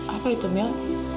apa itu mel